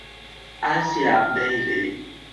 Asia Bailey